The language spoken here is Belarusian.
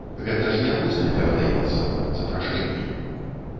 Гэта ж не вусна перадаецца, запрашэнне.